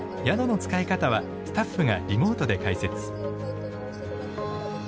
宿の使い方はスタッフがリモートで解説。